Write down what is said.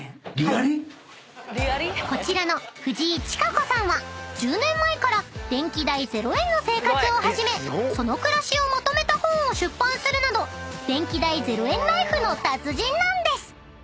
［こちらのフジイチカコさんは１０年前から電気代０円の生活を始めその暮らしをまとめた本を出版するなど電気代０円ライフの達人なんです］